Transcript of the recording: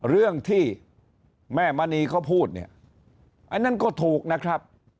เรื่องที่แม่มณีเขาพูดเนี่ยอันนั้นก็ถูกนะครับ